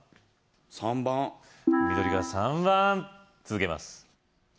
３番緑が３番続けます